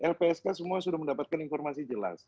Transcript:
lpsk semua sudah mendapatkan informasi jelas